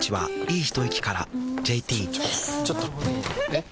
えっ⁉